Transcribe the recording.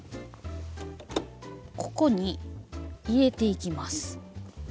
ここに入れていきます。